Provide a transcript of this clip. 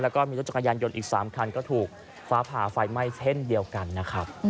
แล้วก็มีรถจักรยานยนต์อีก๓คันก็ถูกฟ้าผ่าไฟไหม้เช่นเดียวกันนะครับ